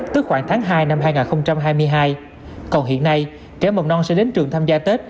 tức khoảng tháng hai năm hai nghìn hai mươi hai còn hiện nay trẻ mầm non sẽ đến trường tham gia tết